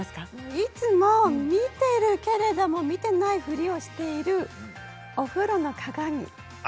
いつも見ているけれども見ていないふりをしているお風呂の鏡。